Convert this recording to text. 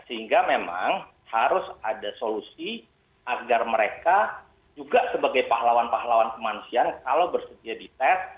sehingga memang harus ada solusi agar mereka juga sebagai pahlawan pahlawan kemanusiaan kalau bersedia dites